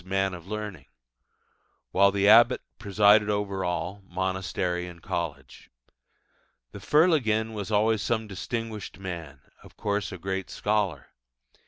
'Man of learning': while the abbot presided over all monastery and college. The Fer leginn was always some distinguished man of course a great scholar.